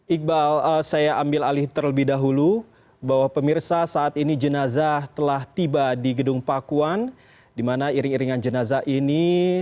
iqbal saya ambil alih terlebih dahulu bahwa pemirsa saat ini jenazah telah tiba di gedung pakuan di mana iring iringan jenazah ini